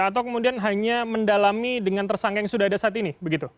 atau kemudian hanya mendalami dengan tersangka yang sudah ada saat ini